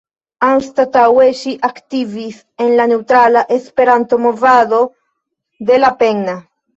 Anstataŭe ŝi aktivis por la "Neŭtrala Esperanto-Movado" de Lapenna.